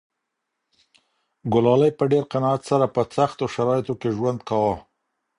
ګلالۍ په ډېر قناعت سره په سختو شرایطو کې ژوند کاوه.